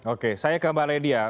oke saya ke mbak ledia